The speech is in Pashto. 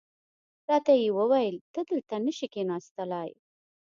راته یې وویل ته دلته نه شې کېناستلای.